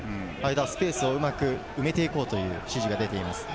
スペースをうまく埋めていこうという指示が出ています。